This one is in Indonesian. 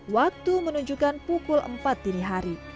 waktu menunjukkan pukul empat dini hari